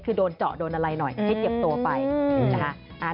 คือโดนเจาะโดนอะไรหน่อยที่เจ็บตัวไป